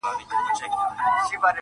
بې سرحده یې قدرت او سلطنت دئ٫